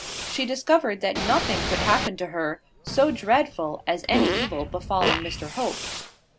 She discovered that nothing could happen to her so dreadful as any evil befalling Mr Hope.